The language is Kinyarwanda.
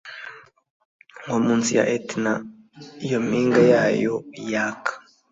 nko munsi ya etna, iyo mpinga yayo yaka